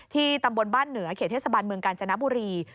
ตำบลบ้านเหนือเขตเทศบาลเมืองกาญจนบุรี